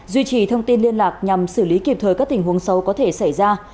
duy trì thông tin liên lạc nhằm xử lý kịp thời các tình huống xấu có thể xảy ra